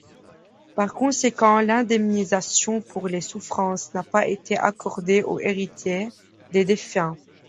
Par conséquent, l’indemnisation pour les souffrances n’a pas été accordée aux héritiers des défunts.